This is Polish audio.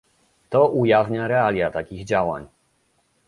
To ujawnia realia takich działań